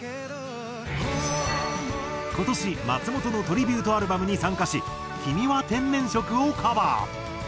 今年松本のトリビュートアルバムに参加し『君は天然色』をカバー。